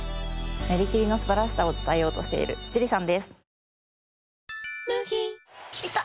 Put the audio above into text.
練り切りの素晴らしさを伝えようとしている寿里さんです。